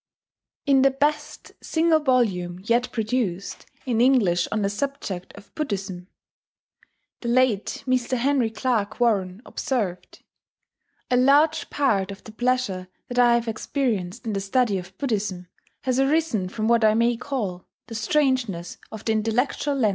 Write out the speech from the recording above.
In the best single volume yet produced in English on the subject of Buddhism,* the late Mr. Henry Clarke Warren observed: "A large part of the pleasure that I have experienced in the study of Buddhism has arisen from what I may call the strangeness of the intellectual landscape.